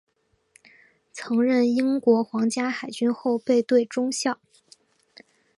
曾任英国皇家海军后备队中校。